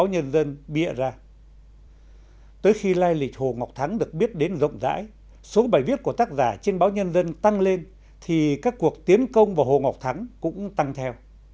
hồ ngọc thắng được biết đến rộng rãi số bài viết của tác giả trên báo nhân dân tăng lên thì các cuộc tiến công vào hồ ngọc thắng cũng tăng theo